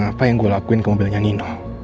apa yang gue lakuin ke mobilnya nino